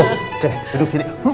oke duduk sini